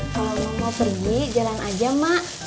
kalau mau pergi jalan aja mak